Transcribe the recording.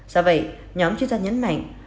do vậy nhóm chuyên gia nhấn mạnh